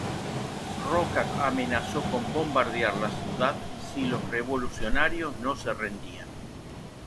Roca amenazó con bombardear la ciudad si los revolucionarios no se rendían.